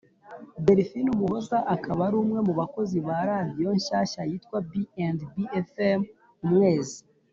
Delphine umuhoza akaba ari umwe mubakozi ba radiyo nshyashya yitwa b&b fm umwezi